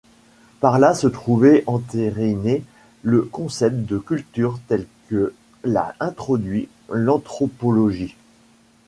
Par là se trouvait entériné le concept de culture tel que l’a introduit l’anthropologie.